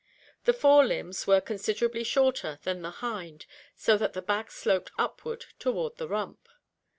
The fore limbs were considerably shorter than the hind so that the back sloped upward toward the rump.